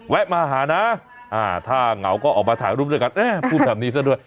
มาหานะถ้าเหงาก็ออกมาถ่ายรูปด้วยกันเอ๊ะพูดแบบนี้ซะด้วย